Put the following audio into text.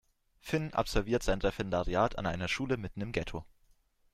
Finn absolviert sein Referendariat an einer Schule mitten im Ghetto.